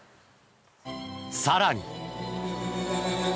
更に。